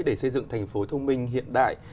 để xây dựng thành phố thông minh hiện đại